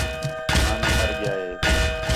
نانا مَر ڳِیا ہے